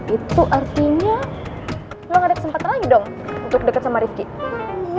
itu artinya lo nggak ada kesempatan lagi dong untuk deket sama rifqin